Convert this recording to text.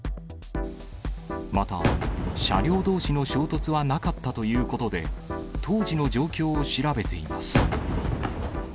また、車両どうしの衝突はなかったということで、当時の状況を調べています。